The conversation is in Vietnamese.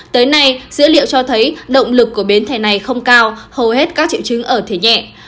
tới nay dữ liệu cho thấy động lực của biến thể này không cao hầu hết các triệu chứng ở thể nhẹ